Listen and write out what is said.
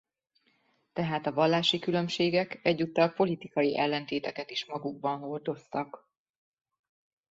Tehát a vallási különbségek egyúttal politikai ellentéteket is magukban hordoztak.